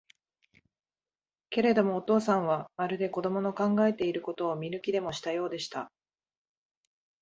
けれども、お父さんは、まるで子供の考えていることを見抜きでもしたようでした。